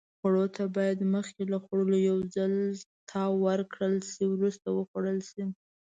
خوړو ته باید مخکې له خوړلو یو ځل تاو ورکړل شي. وروسته وخوړل شي.